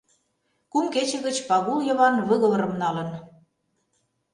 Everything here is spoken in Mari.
Кум кече гыч Пагул Йыван выговорым налын.